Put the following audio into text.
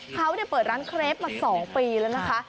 เขาเปิดร้านเครปมา๒ปีแล้วนะคะ